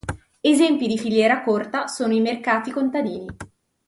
Esempio di filiera corta sono i mercati contadini.